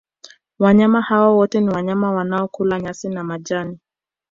wanyama hawa wote ni wanyama wanaokula nyasi na majani